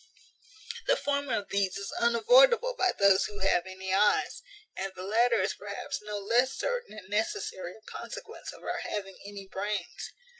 The former of these is unavoidable by those who have any eyes, and the latter is perhaps no less certain and necessary a consequence of our having any brains.